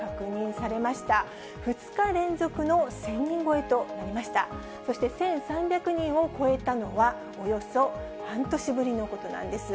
そして１３００人を超えたのは、およそ半年ぶりのことなんです。